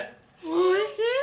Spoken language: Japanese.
おいしい！